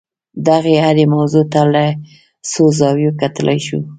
دغې هرې موضوع ته له څو زاویو کتلای شو.